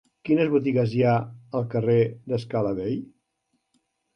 Quines botigues hi ha al carrer de Scala Dei?